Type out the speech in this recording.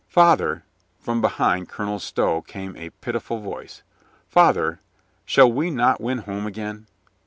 "Father," — from behind Colonel Stow came a pit iful voice, — "father, shall we not win home again?"